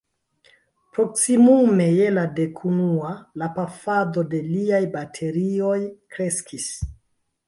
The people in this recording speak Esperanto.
Proksimume je la dekunua, la pafado de liaj baterioj kreskis.